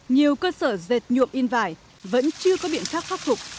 nhiều cơ sở dệt nhuộm in vải vẫn chưa có biện pháp khắc phục